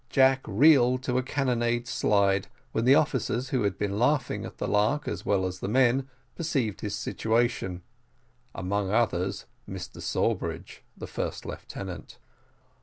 Jack reeled to a carronade slide, when the officers, who had been laughing at the lark as well as the men, perceived his situation among others, Mr Sawbridge, the first lieutenant.